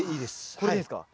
これでいいですか？